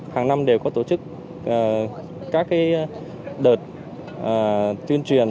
hàng năm đều có tổ chức các đợt tuyên truyền